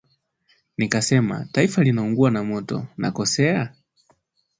Nikisema taifa linaungua moto, nakosea?